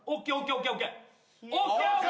ＯＫＯＫ！